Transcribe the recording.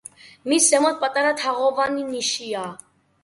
მის ზემოთ პატარა თაღოვანი ნიშია.